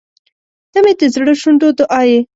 • ته مې د زړه شونډو دعا یې.